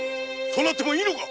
そうなってもいいのか！